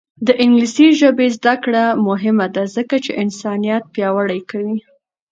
د انګلیسي ژبې زده کړه مهمه ده ځکه چې انسانیت پیاوړی کوي.